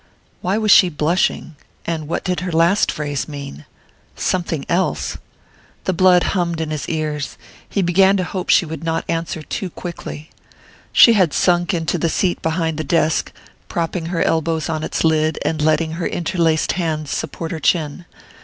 Why was she blushing? And what did her last phrase mean? "Something else ?" The blood hummed in his ears he began to hope she would not answer too quickly. She had sunk into the seat behind the desk, propping her elbows on its lid, and letting her interlaced hands support her chin.